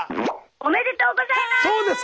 おめでとうございます！